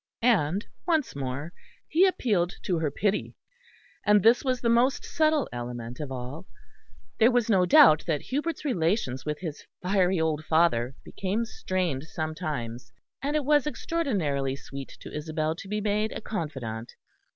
And, once more, he appealed to her pity; and this was the most subtle element of all. There was no doubt that Hubert's relations with his fiery old father became strained sometimes, and it was extraordinarily sweet to Isabel to be made a confidant.